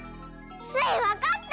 スイわかった！